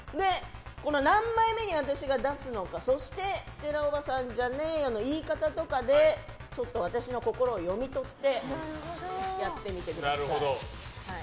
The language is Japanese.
何枚目に私が出すのか、そしてステラおばさんじゃねーよ！の言い方とかで私の心を読み取ってやってみてください。